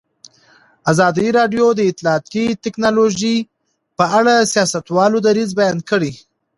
ازادي راډیو د اطلاعاتی تکنالوژي په اړه د سیاستوالو دریځ بیان کړی.